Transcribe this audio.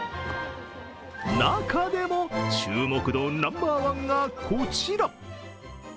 中でも注目度ナンバーワンがこちら。